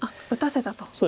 あっ打たせたと。